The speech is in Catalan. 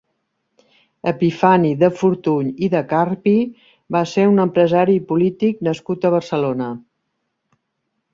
Epifani de Fortuny i de Carpi va ser un empresari i polític nascut a Barcelona.